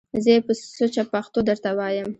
زه یې په سوچه پښتو درته وایم!